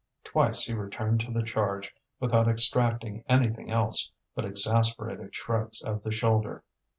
Twice he returned to the charge without extracting anything else but exasperated shrugs of the shoulder.